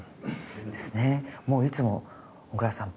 もういつも小倉さん